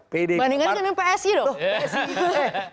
bandingkan dengan psi dong